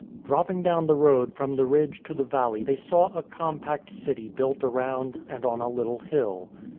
Dropping down the road from the ridge to the valley they saw a compact city built around and on a little hill.